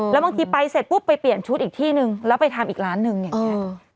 แล้วบางทีไปเสร็จปุ๊บไปเปลี่ยนชุดอีกที่นึงแล้วไปทำอีกร้านนึงอย่างนี้